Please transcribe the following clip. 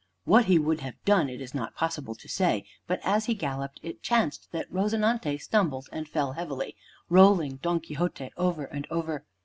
What he would have done it is not possible to say. But as he galloped, it chanced that "Rozinante" stumbled and fell heavily, rolling Don Quixote over and over.